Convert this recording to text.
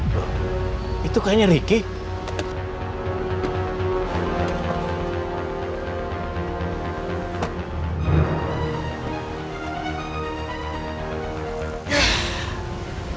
pengen nyampai tanting ya